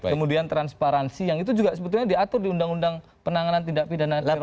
kemudian transparansi yang itu juga sebetulnya diatur di undang undang penanganan tindak pidana terorisme